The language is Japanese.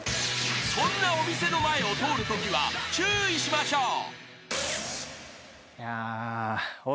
［こんなお店の前を通るときは注意しましょう］